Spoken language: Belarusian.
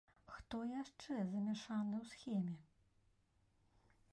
Хто яшчэ замяшаны ў схеме?